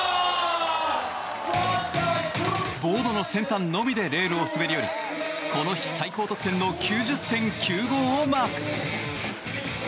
ボードの先端のみでレールを滑り降りこの日最高得点の９０．９５をマーク。